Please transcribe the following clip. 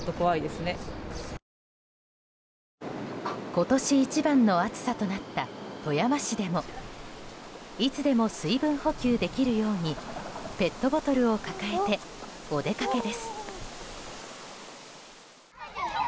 今年一番の暑さとなった富山市でもいつでも水分補給できるようにペットボトルを抱えてお出かけです。